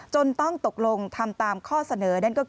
จนต้องตกลงทำตามข้อเสนอ